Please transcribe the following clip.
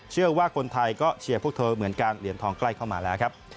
เชื่อว่าคนไทยก็เชียร์พวกเธอเหมือนกันเหรียญทองใกล้เข้ามาแล้วครับ